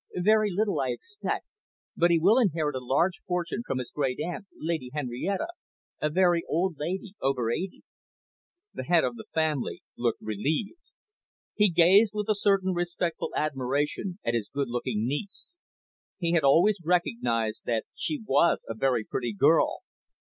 "Very little, I expect. But he will inherit a large fortune from his great aunt, Lady Henrietta, a very old lady, over eighty." The Head of the Family looked relieved. He gazed with a certain respectful admiration at his good looking niece. He had always recognised that she was a very pretty girl.